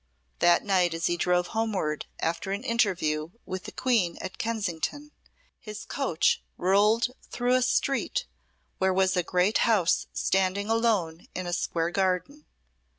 That night as he drove homeward after an interview with the Queen at Kensington his coach rolled through a street where was a great house standing alone in a square garden.